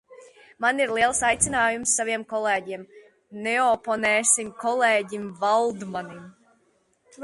Man ir liels aicinājums saviem kolēģiem: neoponēsim kolēģim Valdmanim!